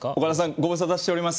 ご無沙汰しております。